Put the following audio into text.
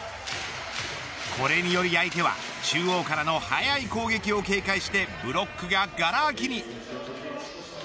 これにより相手は中央からの速い攻撃を警戒してブロックががら空きに。